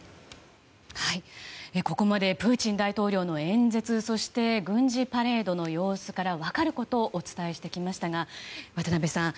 ここまでプーチン大統領の演説そして軍事パレードの様子から分かることをお伝えしてきましたが渡辺さん